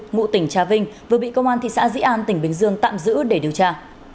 ngụ tỉnh trà vinh vừa bị công an thị xã dĩ an tỉnh bình dương tạm giữ để điều tra